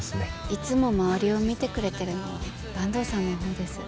いつも周りを見てくれてるのは坂東さんのほうです。